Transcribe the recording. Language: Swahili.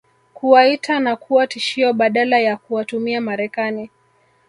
kuwaita na kuwa tishio badala ya kuwatumia Marekani